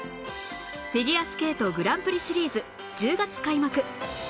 フィギュアスケートグランプリシリーズ１０月開幕！